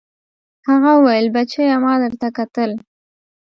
هغه وويل بچيه ما درته کتل.